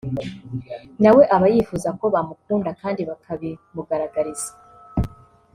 nawe aba yifuza ko bamukunda kandi bakabimugaragariza